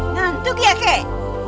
ngantuk ya keh